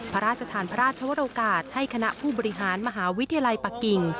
พระราชทานพระราชวรกาสให้คณะผู้บริหารมหาวิทยาลัยปะกิ่ง